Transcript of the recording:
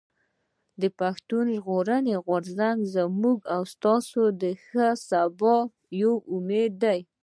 پښتون ژغورني غورځنګ زموږ او ستاسو د ښه سبا يو امېد دی.